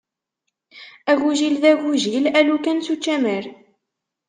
Agujil d agujil, a lukan s učamar.